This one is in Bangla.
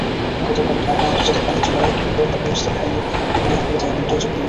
গতকাল ঢাকা আন্তর্জাতিক বাণিজ্য মেলায় গৃহস্থালি পণ্যের প্যাভিলিয়নগুলোতে এমনটাই চোখে পড়ে।